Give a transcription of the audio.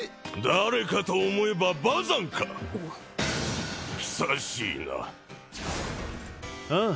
誰かと思えばバザンか久しいなああ